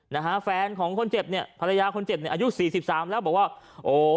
นะฮะแฟนของคนเจ็บเนี่ยภรรยาคนเจ็บเนี่ยอายุสี่สิบสามแล้วบอกว่าโอ้